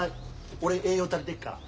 俺栄養足りてっから。